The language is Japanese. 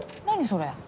それ。